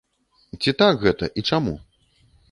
Ці так гэта і чаму?